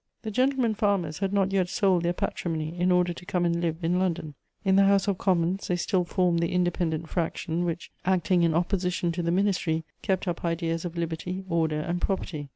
The "gentlemen farmers" had not yet sold their patrimony in order to come and live in London; in the House of Commons they still formed the independent fraction which, acting in opposition to the Ministry, kept up ideas of liberty, order and property.